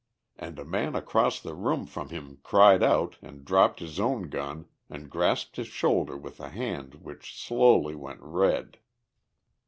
And a man across the room from him cried out and dropped his own gun and grasped his shoulder with a hand which slowly went red.